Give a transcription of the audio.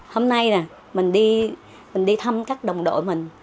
hôm nay mình đi thăm các đồng đội mình